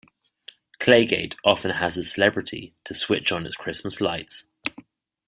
Claygate often has a celebrity to switch on its Christmas lights.